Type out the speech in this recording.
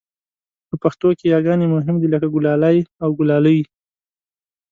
په پښتو کې یاګانې مهمې دي لکه ګلالی او ګلالۍ